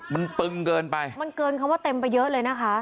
มันตึงเกินไปมันเกินคำว่าเต็มไปเยอะเลยนะคะ